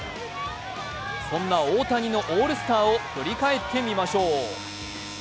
そんな大谷のオールスターを振り返ってみましょう。